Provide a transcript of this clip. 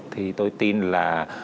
thì tôi tin là